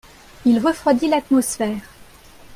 il refroidit l'atmosphère.